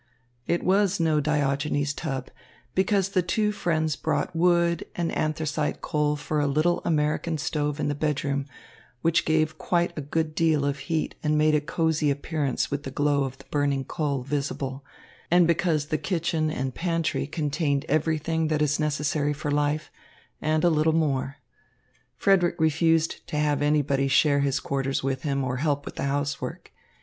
It was no Diogenes tub, because the two friends brought wood and anthracite coal for a little American stove in the bedroom, which gave quite a good deal of heat and made a cosey appearance with the glow of the burning coal visible; and because the kitchen and pantry contained everything that is necessary for life, and a little more. Frederick refused to have anybody share his quarters with him or help with the housework.